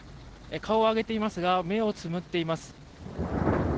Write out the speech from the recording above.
顔を上げていますが目をつぶっています。